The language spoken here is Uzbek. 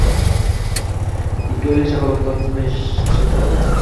Ikki oylik chaqaloqlar tinmay chinqiradi